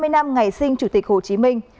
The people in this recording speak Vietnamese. một trăm ba mươi năm ngày sinh chủ tịch hồ chí minh